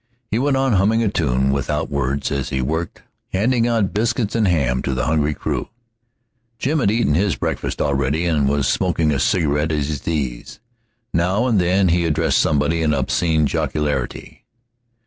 He went on humming a tune without words as he worked, handing out biscuits and ham to the hungry crew. Jim had eaten his breakfast already, and was smoking a cigarette at his ease. Now and then he addressed somebody in obscene jocularity.